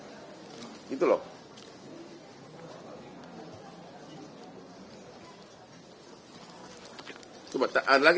coba ada lagi pertanyaan nggak sambil gua baca ini silahkan